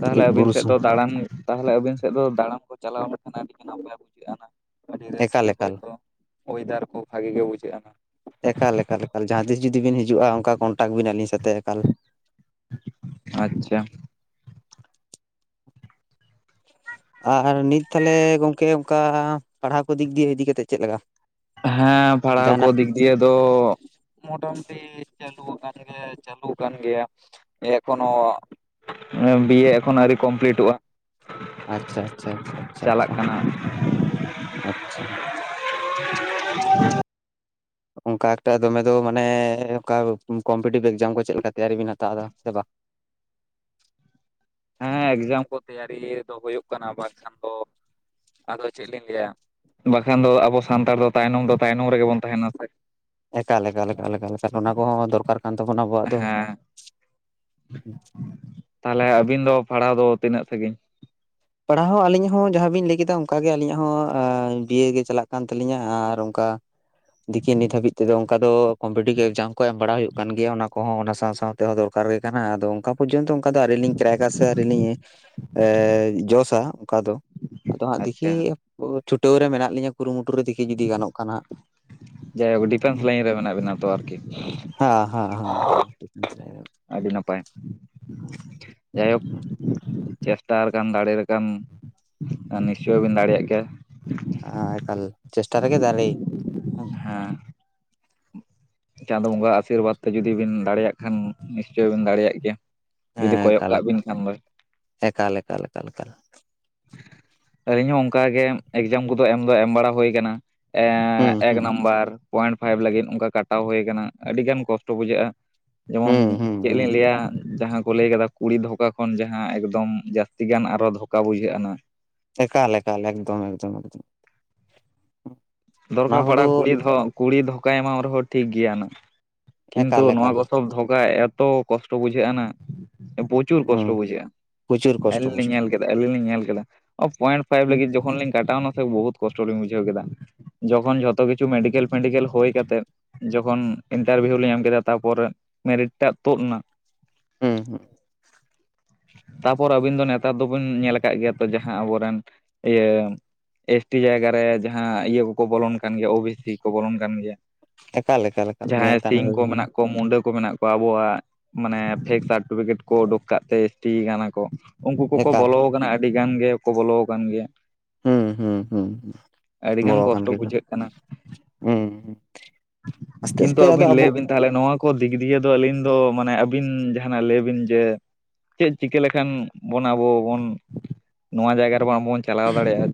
Speaker 2: ᱛᱟᱦᱞᱮ ᱟᱹᱵᱤᱱ ᱥᱮᱫ ᱫᱚ ᱫᱟᱬᱟᱱ ᱛᱟᱦᱞᱮ ᱟᱹᱵᱤᱱ ᱥᱮᱫ ᱫᱚ ᱫᱟᱬᱟᱱ ᱠᱚ ᱪᱟᱞᱟᱣ ᱞᱮᱠᱷᱟᱱ ᱟᱹᱰᱤᱜᱮ ᱱᱟᱯᱟᱭ ᱵᱩᱡᱷᱟᱹ ᱟᱱᱟ ᱟᱹᱰᱤ
Speaker 1: ᱮᱠᱟᱞ
Speaker 2: ᱨᱟᱹᱥᱠᱟᱹ
Speaker 1: ᱮᱠᱟᱞ
Speaker 2: ᱦᱚᱭᱛᱚ ᱚᱭᱮᱫᱟᱨ ᱠᱚ ᱵᱷᱟᱜᱤ ᱜᱮ ᱵᱩᱡᱷᱟᱹ ᱟᱱᱟ
Speaker 1: ᱮᱠᱟᱞ ᱮᱠᱟᱞ ᱮᱠᱟᱞ ᱡᱟᱦᱟᱸ ᱛᱤᱥ ᱡᱩᱫᱤ ᱵᱤᱱ ᱦᱤᱡᱩᱟ ᱚᱱᱠᱟ ᱠᱚᱱᱴᱟᱠ ᱵᱤᱱ ᱟᱹᱞᱤᱧ ᱥᱟᱛᱮ ᱮᱠᱟᱞ
Speaker 2: ᱟᱪᱪᱷᱟ
Speaker 1: ᱟᱨ ᱱᱤᱛ ᱛᱟᱞᱦᱮ ᱜᱚᱝᱠᱮ ᱚᱱᱠᱟ ᱯᱟᱲᱦᱟᱣ ᱠᱚ ᱫᱤᱠ ᱫᱤᱭᱮ ᱤᱫᱤ ᱠᱟᱛᱮᱫ ᱪᱮᱫ ᱞᱮᱠᱟ
Speaker 2: ᱦᱮᱸ ᱯᱟᱲᱦᱟᱣ ᱠᱚ
Speaker 1: ᱡᱟᱦᱟᱱᱟᱜ
Speaker 2: ᱫᱤᱠ ᱫᱤᱭᱮ ᱫᱚ ᱢᱚᱴᱟ ᱢᱩᱴᱤ ᱪᱟᱹᱞᱩ ᱟᱠᱟᱱ ᱜᱮ ᱪᱟᱹᱞᱩ ᱟᱠᱟᱱ ᱜᱮᱭᱟ ᱮᱠᱷᱚᱱᱳ ᱵᱤᱭᱮ ᱮᱠᱷᱚᱱ ᱟᱹᱣᱨᱤ ᱠᱚᱢᱯᱤᱞᱤᱴᱚᱜ-ᱟ
Speaker 1: ᱟᱪᱪᱷᱟ ᱟᱪᱪᱷᱟ ᱟᱪᱪᱷᱟ ᱟᱪᱪᱷᱟ
Speaker 2: ᱠᱟᱱᱟ
Speaker 1: ᱟᱪᱪᱷᱟ-ᱟᱪᱪᱷᱟ
Speaker 2: [unintelligible]
Speaker 1: ᱚᱱᱠᱟ ᱮᱠᱴᱟ ᱫᱚᱢᱮ ᱫᱚ ᱢᱟᱱᱮ ᱚᱱᱠᱟ ᱠᱚᱢᱯᱤᱴᱤᱵᱽ ᱮᱠᱡᱟᱢ ᱠᱚ ᱪᱮᱫ ᱞᱮᱠᱟ ᱛᱮᱭᱟᱨᱤ ᱵᱤᱱ ᱦᱟᱛᱟᱣ ᱫᱟ ᱥᱮ ᱵᱟᱝ
Speaker 2: ᱦᱮᱸ ᱮᱠᱡᱟᱢ ᱠᱚ ᱛᱮᱭᱟᱨᱤ ᱫᱚ ᱦᱩᱭᱩᱜ ᱠᱟᱱᱟ ᱵᱟᱝᱠᱷᱟᱱ ᱫᱚ ᱟᱫᱚ ᱪᱮᱫ ᱞᱤᱧ ᱞᱟᱹᱭᱟ ᱵᱟᱠᱷᱟᱱ ᱫᱚ ᱟᱵᱚ ᱥᱟᱱᱛᱟᱲ ᱫᱚ ᱛᱟᱭᱱᱚᱢ ᱫᱚ ᱛᱟᱭᱱᱚᱢ ᱨᱮᱜᱮ ᱵᱚᱱ ᱛᱟᱦᱮᱱᱟ ᱥᱮ᱾
Speaker 1: ᱮᱠᱟᱞ ᱮᱠᱟᱞ ᱮᱠᱟᱞ ᱮᱠᱟᱞ ᱮᱠᱟᱞ ᱚᱱᱟ ᱠᱚᱦᱚᱸ ᱫᱚᱨᱠᱟᱨ ᱠᱟᱱ ᱛᱟᱵᱚᱱᱟ ᱟᱵᱚᱣᱟᱜ ᱫᱚ
Speaker 2: ᱦᱮᱸ ᱛᱟᱦᱞᱮ ᱟᱹᱵᱤᱱ ᱫᱚ ᱯᱟᱲᱦᱟᱣ ᱫᱚ ᱛᱤᱱᱟᱹᱜ ᱥᱟᱹᱜᱤᱧ
Speaker 1: ᱯᱟᱲᱦᱟᱣ ᱦᱚᱸ ᱟᱹᱞᱤᱧᱟᱜ ᱦᱚᱸ ᱡᱟᱦᱟᱸ ᱵᱤᱱ ᱞᱟᱹᱭ ᱠᱮᱫᱟ ᱚᱱᱠᱟᱜᱮ ᱟᱹᱞᱤᱧᱟᱜ ᱦᱚᱸ ᱵᱤᱭᱮ ᱜᱮ ᱪᱟᱞᱟᱜ ᱠᱟᱱ ᱛᱟᱹᱟᱞᱤᱧᱟ ᱟᱨ ᱚᱱᱠᱟ ᱫᱤᱠᱷᱤ ᱱᱤᱛ ᱦᱟᱹᱵᱤᱡ ᱛᱮᱫᱚ ᱚᱱᱠᱟ ᱫᱚ ᱠᱚᱢᱯᱤᱴᱤᱵᱽ ᱮᱠᱡᱟᱢ ᱠᱚ ᱮᱢ ᱵᱟᱲᱟ ᱦᱩᱭᱩᱜ ᱠᱟᱱ ᱜᱮᱭᱟ ᱚᱱᱟ ᱠᱚᱦᱚᱸ ᱚᱱᱟ ᱥᱟᱶ ᱥᱟᱶᱛᱮᱦᱚᱸ ᱫᱚᱨᱠᱟᱨ ᱜᱮ ᱠᱟᱱᱟ ᱟᱫᱚ ᱚᱱᱠᱟ ᱯᱚᱡᱚᱱᱛᱚ ᱚᱱᱠᱟ ᱫᱚ ᱟᱣᱨᱤ ᱞᱤᱧ ᱠᱨᱮᱠ-ᱟ ᱥᱮ ᱟᱣᱨᱤᱞᱤᱧ ᱮᱸᱻ ᱚᱱᱠᱟ ᱫᱚ ᱟᱫᱚ ᱦᱟᱸᱜ ᱫᱤᱠᱤ
Speaker 2: ᱟᱪᱪᱷᱟ
Speaker 1: ᱪᱷᱩᱴᱟᱹᱣ ᱨᱮ ᱢᱮᱱᱟᱜ ᱞᱤᱧᱟᱹ᱾ ᱠᱩᱨᱩᱢᱩᱴᱩ ᱨᱮ ᱫᱮᱠᱷᱤ ᱡᱩᱫᱤ ᱜᱟᱱᱚᱜ ᱠᱟᱱᱟ ᱦᱟᱜ
Speaker 2: ᱡᱟᱭᱦᱳᱠ ᱰᱤᱯᱷᱮᱱᱥ ᱞᱟᱭᱤᱱ ᱨᱮ ᱢᱮᱱᱟᱜ ᱵᱮᱤᱱᱟ ᱛᱚ ᱟᱨᱠᱤ?
Speaker 1: ᱪᱮᱫ ᱵᱤᱱ ᱥᱟᱱᱟᱭ
Speaker 2: ᱟᱹᱰᱤ ᱱᱟᱯᱟᱭ ᱡᱟᱭᱦᱳᱠ ᱪᱮᱥᱴᱟ ᱞᱮᱠᱷᱟᱱ ᱫᱟᱲᱮ ᱞᱮᱠᱟᱱ ᱱᱤᱥᱪᱚᱭ ᱵᱮᱱ ᱫᱟᱲᱮᱭᱟᱜ ᱜᱮᱭᱟ
Speaker 1: ᱮᱠᱟᱞ ᱪᱮᱥᱴᱟ ᱨᱮᱜᱮ ᱫᱟᱲᱮ
Speaker 2: ᱦᱮᱸ ᱪᱟᱸᱫᱚ ᱵᱚᱸᱜᱟ ᱟᱥᱤᱨᱵᱟᱫᱽ ᱛᱮ ᱡᱩᱫᱤ ᱵᱤᱱ ᱫᱟᱲᱮᱭᱟᱜ ᱠᱷᱟᱱ ᱱᱤᱥᱪᱚᱭ ᱵᱤᱱ ᱫᱟᱲᱮᱭᱟᱜ ᱜᱮᱭᱟ᱾
Speaker 1: ᱦᱮᱸ
Speaker 2: ᱡᱩᱫᱤ ᱠᱚᱭᱚᱜ
Speaker 1: ᱮᱠᱟᱞ
Speaker 2: ᱠᱟᱜ
Speaker 1: ᱞᱮᱠᱟ
Speaker 2: ᱵᱤᱱ ᱠᱷᱟᱱ ᱫᱚᱭ
Speaker 1: ᱮᱠᱟᱞ ᱮᱠᱟᱞᱼᱮᱠᱟᱞ
Speaker 2: ᱟᱹᱞᱤᱧ ᱦᱚᱸ ᱚᱱᱠᱟ ᱜᱮ ᱮᱠᱡᱟᱢ ᱠᱚᱫᱚ ᱮᱢ ᱫᱚ ᱮᱢ ᱵᱟᱲᱟ ᱦᱩᱭ ᱟᱠᱟᱱᱟ
Speaker 1: ᱦᱩᱸ
Speaker 2: ᱮᱠ
Speaker 1: ᱦᱩᱸ
Speaker 2: ᱱᱟᱢᱵᱟᱨ᱾ ᱯᱚᱭᱮᱱᱴ ᱯᱷᱟᱭᱤᱵᱷ ᱞᱟᱹᱜᱤᱫ ᱚᱱᱠᱟ ᱠᱟᱴᱟᱣ ᱦᱩᱭᱩ ᱟᱠᱟᱱᱟ ᱟᱹᱰᱤ ᱜᱟᱱ ᱠᱚᱥᱴᱚ ᱵᱩᱡᱷᱟᱹᱜᱼᱟ᱾ ᱡᱮᱢᱚᱱ
Speaker 1: ᱦᱩᱸ ᱦᱩᱸ
Speaker 2: ᱪᱮᱫ
Speaker 1: ᱦᱩᱸ
Speaker 2: ᱞᱤᱧ ᱞᱟᱹᱭᱟ ᱡᱟᱦᱟᱸ ᱠᱚ ᱞᱟᱹᱭ ᱠᱟᱫᱟ ᱠᱩᱲᱤ ᱫᱷᱚᱠᱟ ᱠᱷᱚᱱ ᱡᱟᱦᱟᱸ ᱮᱠᱫᱚᱢ ᱡᱟᱹᱥᱛᱤ ᱜᱟᱱ ᱟᱨᱚ ᱫᱷᱚᱠᱟ ᱵᱩᱡᱷᱟᱹᱜ-ᱟ᱾
Speaker 1: ᱮᱠᱟᱞ ᱮᱠᱟᱞ ᱮᱠᱫᱚᱢ ᱮᱠᱫᱚᱢ ᱮᱠᱫᱚᱢ‌
Speaker 2: ᱫᱚᱨᱠᱟᱨ ᱯᱟᱲᱟ
Speaker 1: ᱠᱚᱫᱚ
Speaker 2: ᱠᱩᱲᱤ ᱠᱩᱲᱤ ᱫᱷᱚᱠᱟᱭ ᱮᱢᱟᱢ ᱨᱮᱦᱚᱸ ᱴᱷᱤᱠ ᱜᱮᱭᱟ ᱠᱤᱱᱛᱩ
Speaker 1: ᱮᱠᱟᱞ
Speaker 2: ᱱᱚᱣᱟ
Speaker 1: ᱮᱠᱟᱞ
Speaker 2: ᱜᱚ ᱥᱚᱞ ᱫᱷᱚᱠᱟ ᱮᱛᱚ ᱠᱚᱥᱴᱚ ᱵᱩᱡᱷᱟᱹᱜ-ᱟ ᱱᱟᱜ ᱯᱨᱪᱩᱨ ᱠᱚᱥᱴᱚ
Speaker 1: ᱦᱩᱸ
Speaker 2: ᱵᱩᱡᱷᱟᱹᱜᱼᱟ,
Speaker 1: ᱯᱨᱚᱪᱩᱨ ᱠᱚᱥᱴᱚ
Speaker 2: ᱟᱞᱤᱧ ᱞᱤᱧ
Speaker 1: ᱯᱚᱥᱴᱚ
Speaker 2: ᱧᱮᱞ ᱠᱮ ᱟᱹᱞᱤᱧ ᱞᱤᱧ ᱧᱮᱞ ᱠᱮᱫᱟ ᱯᱚᱭᱮᱱᱴ ᱯᱷᱟᱭᱤᱵᱷ
Speaker 1: ᱦᱩᱸ
Speaker 2: ᱞᱟᱹᱜᱤᱫ ᱡᱚᱠᱷᱚᱱ ᱞᱤᱧ ᱠᱟᱴᱟᱣ ᱮᱱᱟ ᱥᱮ ᱵᱚᱦᱩᱛ ᱠᱚᱥᱴ ᱞᱤᱧ ᱵᱩᱡᱷᱟᱹᱣ ᱠᱮᱫᱟ᱾ ᱡᱚᱠᱷᱚᱱ ᱡᱷᱚᱛᱚ ᱠᱤᱪᱷᱩ ᱢᱮᱰᱤᱠᱮᱞ ᱯᱷᱮᱰᱤᱠᱮᱞ ᱦᱩᱭ ᱠᱟᱛᱮᱜ ᱡᱚᱠᱷᱚᱱ ᱤᱱᱴᱟᱨᱵᱷᱤᱭᱩ ᱞᱤᱧ ᱮᱢ ᱠᱮᱫᱟ ᱛᱟᱯᱚᱨᱮ ᱢᱮᱨᱤᱴ ᱴᱟᱜ ᱛᱩᱫ ᱮᱱᱟ᱾
Speaker 1: ᱦᱮᱸ ᱦᱮᱸ
Speaker 2: ᱛᱟᱯᱚᱨ ᱟᱵᱤᱱ ᱫᱚ ᱱᱮᱛᱟᱨ ᱫᱚᱵᱤᱱ ᱧᱮᱞ ᱟᱠᱟᱫ ᱜᱮᱭᱟ ᱛᱚ ᱡᱟᱦᱟᱸ ᱟᱵᱚᱨᱮᱱ ᱤᱭᱟᱹ ᱮᱥ ᱴᱤ ᱡᱟᱭᱜᱟ ᱨᱮ ᱡᱟᱦᱟᱸ ᱤᱭᱟᱹ ᱠᱚᱠᱚ ᱵᱚᱞᱚᱱ ᱠᱟᱱ ᱜᱮᱭᱟ ᱳ ᱵᱤ ᱥᱤ ᱠᱚ ᱵᱚᱞᱚᱱ ᱠᱟᱱ ᱜᱮᱭᱟ᱾
Speaker 1: ᱮᱠᱟᱞ ᱮᱠᱟᱞ ᱮᱠᱟᱞ ᱧᱮᱞ
Speaker 2: ᱡᱟᱦᱟᱸᱭ
Speaker 1: ᱠᱟᱱ
Speaker 2: ᱥᱤᱝ ᱠᱚ ᱢᱮᱱᱟᱜ ᱠᱚ ᱢᱩᱰᱟᱹ ᱠᱚ ᱢᱮᱱᱟᱜ ᱟᱵᱚᱣᱟᱜ ᱢᱟᱱᱮ ᱯᱷᱮᱠ ᱥᱟᱨᱴᱤᱯᱤᱠᱮᱴ ᱠᱚ ᱩᱰᱩᱠ ᱠᱟᱜ ᱛᱮ ᱮᱥ ᱴ ᱠᱟᱱᱟ ᱠᱚ᱾ ᱩᱱᱠᱩ ᱠᱚᱠᱚ
Speaker 1: ᱮᱠᱟᱞ
Speaker 2: ᱵᱚᱞᱚ ᱠᱟᱱᱟ ᱟᱹᱰᱤ ᱜᱟᱱ ᱜᱮᱠᱚ ᱵᱚᱞᱚ ᱟᱠᱟᱱ ᱜᱮᱭᱟ᱾
Speaker 1: ᱦᱩᱸ ᱦᱩᱸ ᱦᱩᱸ
Speaker 2: ᱟᱹᱰᱤᱜᱟᱱ
Speaker 1: ᱵᱚᱞᱚ ᱟᱠᱟᱱ
Speaker 2: ᱠᱚᱥᱴᱚ
Speaker 1: ᱜᱮᱭᱟ ᱠᱚ
Speaker 2: ᱵᱩᱡᱷᱟᱹᱜ ᱠᱟᱱᱟ
Speaker 1: ᱦᱩᱸ᱾ ᱟᱥᱛᱮ
Speaker 2: ᱠᱤᱱᱛᱩ
Speaker 1: ᱟᱥᱛᱮ ᱟᱫᱚ
Speaker 2: ᱟᱹᱵᱤᱱ ᱞᱟᱹᱭ
Speaker 1: ᱟᱵᱚ
Speaker 2: ᱵᱤᱱ ᱛᱟᱦᱚᱞᱮ ᱱᱚᱣᱟ ᱠᱚ ᱫᱤᱠ ᱫᱤᱭᱮ ᱫᱚ ᱟᱹᱞᱤᱧ ᱫᱚ ᱢᱟᱱᱮ ᱟᱹᱵᱤᱱ ᱡᱟᱦᱟᱱᱟᱜ ᱞᱟᱹᱭ ᱵᱤᱱ ᱡᱮ ᱪᱮᱫ ᱪᱤᱠᱟᱹ ᱞᱮᱠᱷᱟᱱ ᱵᱚᱱ ᱟᱵᱚ ᱵᱚᱱ ᱱᱚᱣᱟ ᱡᱟᱭᱜᱟ ᱨᱮᱵᱚᱱ ᱟᱵ ᱵᱚᱱ ᱪᱟᱞᱟᱣ ᱫᱟᱲᱮᱭᱟᱜᱼᱟ?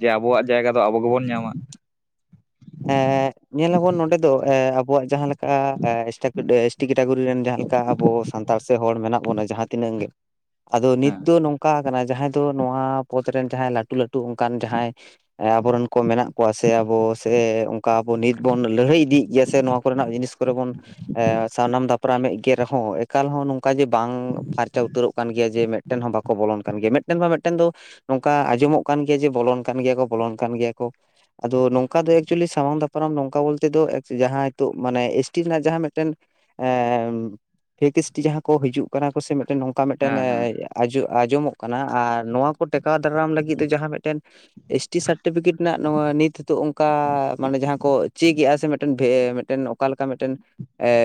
Speaker 2: ᱡᱮ ᱟᱵᱚᱣᱟᱜ ᱡᱟᱭᱜᱟ ᱫᱚ ᱟᱵᱚ ᱜᱮᱵᱚᱱ ᱧᱟᱢᱟ᱾
Speaker 1: ᱮ ᱧᱮᱞᱟᱵᱚᱱ ᱱᱚᱰᱮ ᱫᱚ ᱟᱵᱚᱣᱟᱜ ᱡᱟᱦᱟᱸ ᱞᱮᱠᱟ ᱤᱥᱴᱟᱠᱰᱮ [unintelligible] ᱠᱮᱴᱟᱜᱚᱨᱤ ᱨᱮᱱ ᱡᱟᱦᱟᱸ ᱞᱮᱠᱟ ᱟᱵᱚ ᱥᱟᱱᱛᱟᱲ ᱥᱮ ᱦᱚᱲ ᱢᱮᱱᱟᱜ ᱵᱚᱱᱟ ᱡᱟᱦᱟᱸ ᱛᱤᱱᱟᱹᱜ ᱜᱮ, ᱟᱫᱚ ᱱᱤᱛ
Speaker 2: ᱦᱮᱸ
Speaker 1: ᱫᱚ ᱱᱚᱝᱠᱟ ᱟᱠᱟᱱᱟ ᱡᱟᱦᱟᱸᱭ ᱫᱚ ᱱᱚᱣᱟ ᱯᱚᱫ ᱨᱮᱱ ᱡᱟᱦᱟᱸᱭ ᱞᱟᱹᱴᱩ ᱞᱟᱹᱴᱩ ᱚᱱᱠᱟᱱ ᱡᱟᱦᱟᱸᱭ ᱟᱵᱚᱨᱮᱱ ᱠᱚ ᱢᱮᱱᱟᱜ ᱠᱚᱣᱟ ᱥᱮ ᱟᱵᱚ ᱥᱮ ᱚᱱᱠᱟ ᱟᱵᱚ ᱱᱤᱛ ᱵᱚᱱ ᱞᱟᱹᱲᱦᱟᱹᱭ ᱤᱫᱤᱭᱮᱫ ᱜᱮᱭᱟ ᱥᱮ ᱱᱚᱣᱟ ᱠᱚᱨᱮᱱᱟᱜ ᱡᱤᱱᱤᱥ ᱠᱚᱨᱮ ᱵᱚᱱ ᱥᱟᱱᱟᱢ ᱫᱟᱯᱨᱟᱢ ᱢᱮᱫ ᱜᱮ ᱨᱮᱦᱚᱸ ᱮᱠᱟᱞ ᱦᱚᱸ ᱱᱚᱝᱠᱟ ᱡᱮ ᱵᱟᱝ ᱯᱷᱟᱨᱪᱟ ᱩᱛᱟᱹᱨᱚᱜ ᱠᱟᱱ ᱜᱮᱭᱟ ᱡᱮ ᱢᱤᱫ ᱢᱤᱫᱴᱮᱱ ᱦᱚᱸ ᱵᱟᱠᱚ ᱵᱚᱞᱚᱱ ᱠᱟᱱ ᱜᱮᱭᱟ, ᱢᱤᱫᱴᱮᱱ ᱢᱟ ᱢᱤᱫᱴᱮᱱ ᱫᱚ ᱱᱚᱝᱠᱟ ᱟᱸᱡᱚᱢᱚᱜ ᱠᱟᱱ ᱜᱮᱭᱟ ᱡᱮ ᱵᱚᱞᱚᱱ ᱠᱟᱱ ᱜᱮᱭᱟ ᱠᱚ ᱵᱚᱞᱚᱱ ᱠᱟᱱ ᱜᱮᱭᱟ ᱠᱚ ᱟᱫᱚ ᱱᱚᱝ ᱠᱟ ᱫᱚ ᱮᱠᱪᱩᱭᱮᱞᱤ ᱥᱟᱢᱟᱝ ᱫᱟᱯᱨᱟᱢ ᱱᱚᱝᱠᱟ ᱵᱚᱞᱛᱮ ᱫᱚ ᱡᱟᱦᱟᱸ ᱱᱤᱛᱚᱜ ᱢᱟᱱᱮ ᱮᱥ ᱴᱤ ᱨᱮᱱᱟᱜ ᱡᱟᱦᱟᱸ ᱢᱤᱫᱴᱮᱱ ᱯᱷᱮᱠ ᱮᱥ ᱴᱤ ᱡᱟᱦᱟᱸ ᱠᱚ ᱦᱤᱡᱩᱜ ᱠᱟᱱᱟ ᱠᱚᱥᱮ ᱱᱚᱝᱠᱟ ᱢᱤᱫᱴᱮᱱ
Speaker 2: ᱦᱮᱸ ᱦᱮᱸ
Speaker 1: ᱟᱸᱡᱚ ᱟᱸᱡᱚᱢᱚᱜ ᱠᱟᱱᱟ ᱟᱨ ᱱᱚᱣᱟ ᱠᱚ ᱴᱮᱠᱟᱣ ᱫᱟᱨᱟᱢ ᱞᱟᱹᱜᱤᱫ ᱛᱮ ᱡᱟᱦᱟᱸ ᱢᱤᱫᱴᱮᱱ ᱮᱥ ᱴᱤ ᱥᱟᱨᱴᱤᱯᱷᱤᱠᱮᱴ ᱨᱮᱱᱟᱜ ᱱᱚᱣᱟ ᱱᱤᱛ ᱦᱤᱛᱚᱜ ᱚᱱᱠᱟ ᱢᱟᱱᱮ ᱡᱟᱦᱟᱸ ᱠᱚ ᱪᱮᱠ ᱮᱫᱟ ᱥᱮ ᱢᱤᱴᱮᱱ ᱚᱠᱟ ᱞᱮᱠᱟ ᱢᱤᱫᱴᱮᱱ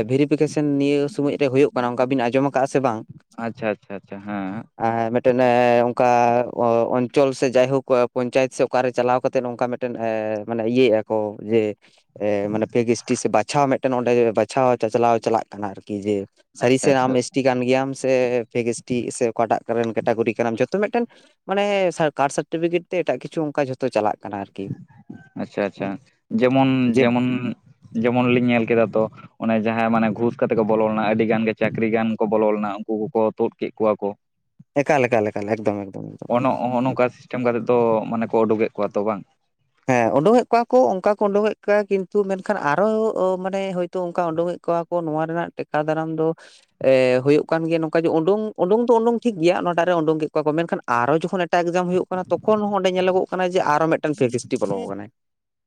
Speaker 1: ᱵᱷᱮᱨᱤᱯᱷᱤᱠᱮᱥᱚᱱ ᱱᱤᱭᱟᱹ ᱥᱚᱢᱚᱭ ᱨᱮ ᱦᱩᱭᱩᱜ ᱠᱟᱱᱟ ᱚᱱᱠᱟ ᱵᱤᱱ ᱟᱸᱡᱚᱢ ᱟᱠᱟᱟᱜᱼᱟ ᱥᱮ ᱵᱟᱝ?
Speaker 2: ᱟᱪᱪᱷᱟ ᱟᱪᱪᱷᱟ ᱟᱪᱪᱷᱟ ᱦᱮᱸ
Speaker 1: ᱢᱤᱫᱴᱮᱱ ᱚᱱᱠᱟ ᱚᱧᱪᱚᱞ ᱥᱮ ᱡᱟᱭᱦᱳᱠ ᱯᱚᱧᱪᱟᱭᱮᱛ ᱥᱮ ᱚᱠᱟᱨᱮ ᱪᱟᱞᱟᱣ ᱠᱟᱛᱮᱫ ᱱᱚᱝᱠᱟ ᱢᱤᱫ ᱴᱮᱱ ᱢᱟᱱᱮ ᱤᱭᱟᱹᱭ ᱮᱫᱼᱟ ᱠᱚ ᱡᱮ ᱢᱟᱱᱮ ᱯᱷᱮᱠ ᱥᱮ ᱴᱤ ᱵᱟᱪᱷᱟᱣ ᱢᱤᱫᱴᱮᱱ ᱚᱸᱰᱮ ᱵᱟᱪᱷᱟᱣ ᱪᱟᱪᱞᱟᱣ ᱪᱟᱞᱟᱜ ᱠᱟᱱᱟ ᱟᱨᱠᱤ ᱡᱮ ᱥᱟᱹᱨᱤ
Speaker 2: ᱟᱪᱪᱷᱟ ᱟᱪᱪᱷᱟ
Speaker 1: ᱥᱮ ᱟᱢ
Speaker 2: ᱟᱪᱪᱷᱟ
Speaker 1: ᱮᱥᱴᱤ ᱠᱟᱱ ᱜᱮᱭᱟᱢ ᱥᱮ ᱯᱷᱮᱠ ᱮᱥᱴᱤ ᱥᱮ ᱚᱠᱟᱴᱟᱜ ᱨᱮᱱ ᱠᱮᱴᱟᱜᱳᱨᱤ ᱠᱟᱱᱟᱢ ᱡᱚᱛᱚ ᱢᱮᱫᱴᱟᱝ ᱢᱟᱱᱮ ᱥᱟᱨ ᱠᱟᱰ ᱥᱟᱨᱴᱤᱯᱷᱤᱠᱮᱴ ᱛᱮ ᱮᱴᱟᱜ ᱠᱤᱪᱷᱩ ᱚᱱᱠᱟ ᱡᱷᱚᱛᱚ ᱪᱟᱞᱟᱜ ᱠᱟᱱᱟ ᱟᱨᱠᱤ,
Speaker 2: ᱟᱪᱪᱷᱟ ᱟᱪᱪᱷᱟ ᱡᱮᱢᱚᱱ
Speaker 1: ᱡᱮ
Speaker 2: ᱡᱮᱢᱚᱱ ᱡᱮᱢᱚᱱᱞᱤᱧ ᱧᱮᱞ ᱠᱮᱫᱟ ᱛᱚ ᱚᱱᱮ ᱡᱟᱦᱟᱸᱭ ᱢᱟᱱᱮ ᱜᱷᱩᱥ ᱠᱟᱛᱮᱜ ᱠᱚ ᱵᱚᱞᱚ ᱞᱮᱱᱟ ᱟᱹᱰᱤ ᱜᱟᱱ ᱜᱮ ᱪᱟᱹᱠᱨᱤ ᱜᱟᱱ ᱠᱚ ᱵᱚᱞᱚ ᱞᱮᱱᱟ ᱩᱱᱠᱩ ᱠᱚᱠᱚ ᱛᱩᱫ ᱠᱮᱜ ᱠᱚᱣᱟ ᱠᱚ,
Speaker 1: ᱮᱠᱟᱞ ᱮᱠᱟᱞ ᱮᱠᱟᱞ ᱮᱠᱫᱚᱢ ᱮᱠᱫᱚᱢ ᱮᱠᱫᱚᱢ
Speaker 2: ᱚᱱᱚ
Speaker 1: ᱮᱠᱫᱚᱢ
Speaker 2: ᱚᱱᱚᱜᱼᱚ ᱱᱚᱝᱠᱟ ᱥᱤᱥᱴᱮᱢ ᱠᱟᱛᱮᱫ ᱫᱚ ᱢᱟᱱᱮ ᱠᱚ ᱩᱰᱩᱜᱮ ᱠᱚᱣᱟ ᱛᱚ ᱵᱟᱝ,
Speaker 1: ᱦᱮᱸ ᱩᱰᱩᱝᱮᱮᱠ ᱠᱚᱣᱟ ᱠᱚ ᱚᱱᱠᱟ ᱠᱩ ᱩᱰᱩᱝᱮᱠ ᱠᱮ ᱠᱤᱱᱛᱩ ᱢᱮᱱᱠᱷᱟᱱ ᱟᱨᱚ ᱢᱟᱱᱮ ᱦᱚᱳᱭᱛᱳ ᱚᱱᱠᱟ ᱳᱸᱰᱩᱝ ᱮᱜ ᱠᱚᱣᱟ ᱠᱚ ᱱᱚᱣᱟ ᱨᱮᱱᱟᱜ ᱴᱮᱠᱟ ᱫᱟᱨᱟᱢ ᱫᱚ, ᱮ ᱦᱳᱭᱳᱜ ᱠᱟᱱ ᱜᱮᱭᱟ ᱱᱚᱝᱠᱟ ᱡᱮ ᱩᱰᱩᱝ ᱩᱰᱩᱝ ᱫᱚ ᱩᱰᱩᱝ ᱴᱷᱤᱠ ᱜᱮᱭᱟ ᱱᱚᱣᱟ ᱴᱟᱜ ᱨᱮ ᱩᱰᱩᱠ ᱠᱮ ᱠᱚᱣᱟ ᱠᱚ ᱢᱮᱱᱠᱷᱟᱱ, ᱟᱨᱚ ᱡᱚᱠᱷᱚᱱ ᱮᱴᱟᱜ ᱮᱠᱡᱟᱢ ᱦᱩᱭᱩᱜ ᱠᱟᱱᱟ ᱛᱚᱠᱷᱚᱱ ᱦᱚᱸ ᱚᱸᱰᱮ ᱧᱮᱞᱚᱜᱚᱜ ᱠᱟᱱᱟ ᱡᱮ ᱟᱨᱚ ᱢᱮᱴᱮᱝ ᱥᱮᱡᱮᱥᱴᱤ ᱵᱚᱞᱣ ᱠᱟᱱᱟᱭ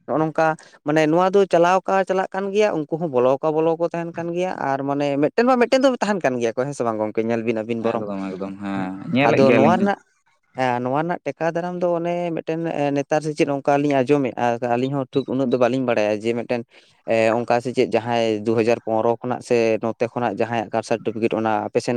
Speaker 1: ᱱᱚᱜ-ᱚ ᱱᱚᱝᱠᱟ, ᱢᱟᱱᱮ ᱱᱚᱣᱟ ᱫᱚ ᱪᱟᱞᱟᱣ ᱠᱟ ᱪᱟᱞᱟᱜ ᱠᱟᱱ ᱜᱮᱭᱟ ᱩᱱᱠᱩ ᱦᱚᱸ ᱵᱚᱞᱚᱠ ᱵᱚᱞᱚ ᱠᱚ ᱛᱟᱦᱮᱸᱱ ᱠᱟᱱ ᱜᱮᱭᱟ ᱟᱨ ᱢᱟᱱᱮ ᱢᱮᱫ ᱢᱮᱴᱮᱱ ᱢᱟ ᱢᱮᱴᱮᱱ ᱫᱚ ᱛᱟᱦᱮᱸᱱ ᱠᱟᱱ ᱜᱮᱭᱟ ᱠᱚ ᱦᱮᱸ ᱥᱮ ᱵᱟᱝ ᱜᱚᱝᱠᱮ ᱧᱮᱞ ᱵᱤᱱ ᱟᱹᱵᱤᱱ ᱵᱚᱨᱚᱝ
Speaker 2: ᱮᱠᱫᱚᱢ ᱮᱠᱫᱚᱢ ᱦᱮᱸ ᱧᱮᱞᱮᱫ
Speaker 1: ᱟᱫᱚ ᱱᱚᱣᱟ
Speaker 2: ᱜᱮᱭᱟᱞᱤᱧ
Speaker 1: ᱨᱮᱱᱟᱜ, ᱦᱮᱸ ᱱᱚᱣᱟ ᱨᱮᱱᱟᱜ ᱴᱮᱠᱟᱣ ᱫᱟᱨᱟᱢ ᱫᱚ ᱚᱱᱮ ᱢᱤᱫᱴᱮᱱ-ᱮ ᱱᱮᱛᱟᱨ ᱥᱮ ᱪᱮᱫ ᱚᱝ, ᱚᱱᱠᱟᱞᱤᱧ ᱟᱸᱡᱚᱢᱮᱼᱟ ᱟᱹᱞᱤᱧ ᱦᱚᱸ ᱴᱩ ᱩᱱᱟᱹᱜ ᱫᱚ ᱵᱟᱹᱞᱤᱧ ᱵᱟᱲᱟᱭᱟ ᱡᱮ ᱢᱤᱫᱴᱮᱱ ᱮ ᱚᱱᱠᱟ ᱥᱮ ᱪᱮᱫ ᱡᱟᱦᱟᱸᱭ ᱫᱩ ᱦᱟᱡᱟᱨ ᱯᱚᱱᱨᱚ ᱠᱷᱚᱱᱟᱜ ᱥᱮ ᱱᱚᱛᱮ ᱠᱷᱚᱱᱟᱜ ᱡᱟᱦᱟᱸᱭᱟᱜ ᱠᱟᱥᱴ ᱥᱟᱨᱴᱤᱯᱷᱤᱠᱮᱴ ᱚᱱᱟ ᱟᱯᱮᱥᱮᱱ